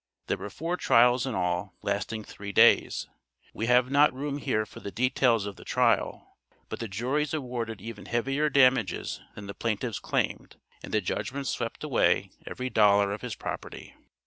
There were four trials in all, lasting three days. We have not room here for the details of the trial, but the juries awarded even heavier damages than the plaintiffs claimed, and the judgments swept away every dollar of his property.